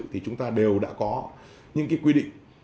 thì chúng ta đều đã có những quy định